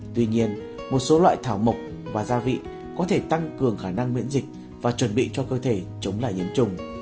tuy nhiên một số loại thảo mộc và gia vị có thể tăng cường khả năng miễn dịch và chuẩn bị cho cơ thể chống lại nhiễm trùng